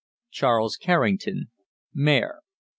=CHARLES CARRINGTON=, Mayor.